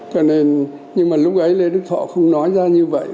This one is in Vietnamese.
cho nên nhưng mà lúc ấy lê đức thọ không nói ra như vậy